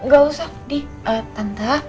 gak usah tante